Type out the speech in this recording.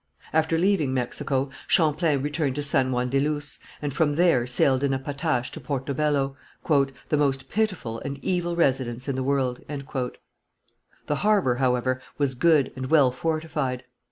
After leaving Mexico, Champlain returned to San Juan de Luz, and from there sailed in a patache to Porto Bello, "the most pitiful and evil residence in the world." The harbour, however, was good, and well fortified.